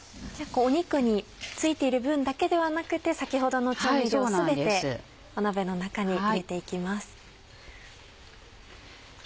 肉に付いている分だけではなくて先ほどの調味料を全て鍋の中に入れていきます。